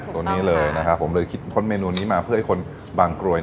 ตัวนี้เลยนะครับผมเลยคิดค้นเมนูนี้มาเพื่อให้คนบางกรวย